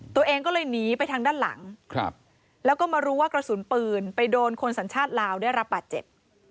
ตัวเองก็เลยหนีไปทางด้านหลังแล้วก็มารู้ว่ากระสุนปืนไปโดนคนสัญชาติลาวได้รับบาดเจ็บ